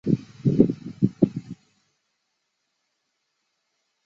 我以为要出站再进站